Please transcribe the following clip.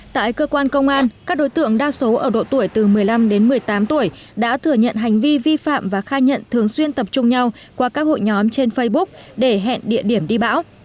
tại cơ quan công an các đối tượng đa số ở độ tuổi từ một mươi năm đến một mươi tám tuổi đã thừa nhận hành vi vi phạm và khai nhận thường xuyên tập trung nhau qua các hội nhóm trên facebook để hẹn địa điểm đi bão